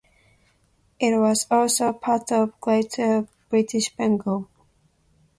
It was also part of greater British Bengal.